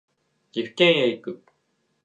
岐阜県へ行く